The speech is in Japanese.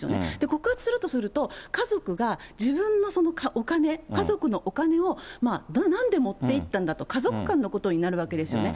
告発するとすると、家族が自分のお金、家族のお金をなんでもっていったんだと、家族間のことになるわけですよね。